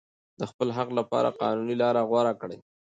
د خپل حق لپاره قانوني لاره غوره کړئ.